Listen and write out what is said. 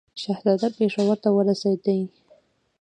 شهزاده پېښور ته ورسېدی.